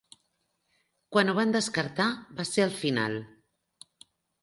Quan ho van descartar, va ser el final.